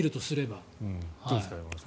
どうですか山村さん。